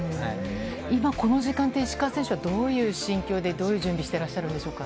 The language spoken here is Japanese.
今、この時間って、石川選手はどういう心境で、どういう準備してらっしゃるんでしょうか。